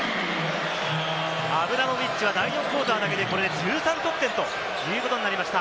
アブラモビッチは第４クオーターだけで１３得点ということになりました。